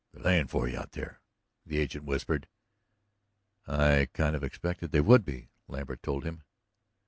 "They're layin' for you out there," the agent whispered. "I kind of expected they would be," Lambert told him.